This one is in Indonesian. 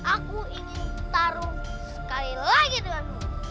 aku ingin taruh sekali lagi denganmu